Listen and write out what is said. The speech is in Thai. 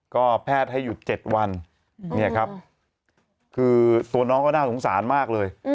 ก็แพทย์ให้หยุด๗วันเนี่ยครับคือตัวน้องก็น่าสงสารมากเลย